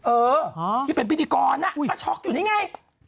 เออที่เป็นพิธีกรก็ช็อกอยู่นี่ไง